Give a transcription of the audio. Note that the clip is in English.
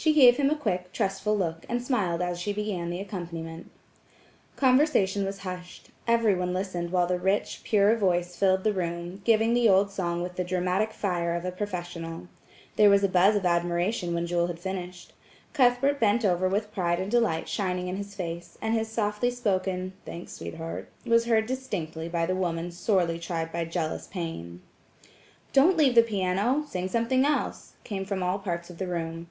She gave him a quick, trustful look, and smiled as she began the accompaniment. Conversation was hushed; everyone listened while the rich, pure voice filled the room, giving the old song with the dramatic fire of a professional. There was a buzz of admiration when Jewel had finished. Cuthbert bent over with pride and delight shining in his face, and his softly spoken "Thanks sweetheart," was heard distinctly by the woman sorely tried by jealous pain. "Don't leave the piano; sing something else," came from all parts of the room.